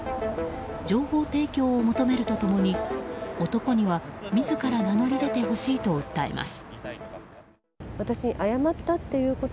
情報提供を求めると共に男には自ら名乗り出てほしいと訴えます。